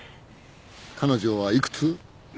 彼女はいくつ？